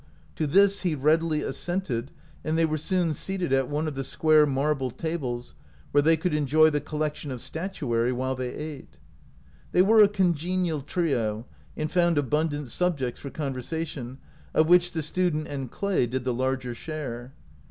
To this he readily assented, and they were soon seated at one of the square marble tables, where they could en joy the collection of statuary while they ate. They were a congenial trio, and found abun dant subjects for conversation, of which the student and Clay did the larger share.